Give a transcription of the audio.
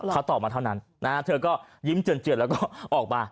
เขาตอบมาเท่านั้นอ่าเธอก็ยิ้มเจริญเจียดแล้วก็ออกมั้น